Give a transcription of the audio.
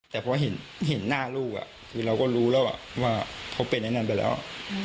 แต่พอเห็นหน้าลูกคือเราก็รู้แล้วว่าเขาเป็นไอ้นั่นไปแล้ว